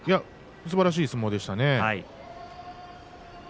すばらしい相撲でした。